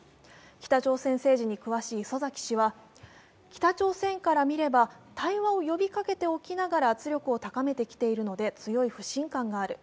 北朝鮮政治に詳しい礒崎氏は北朝鮮からしたら対話を呼びかけておきながら圧力を高めてきているので、強い不信感がある。